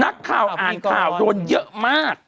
นักข่าวอ่านข่าวโดนเยอะมาก